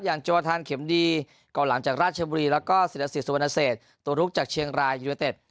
อย่างโจทานเข็มดีก่อนหลังจากราชบุรีแล้วก็เศรษฐศิลป์สุพันธ์เศสตรูกจากเชียงรายยุธเต็จ